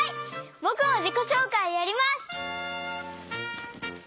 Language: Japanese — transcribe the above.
ぼくもじこしょうかいやります！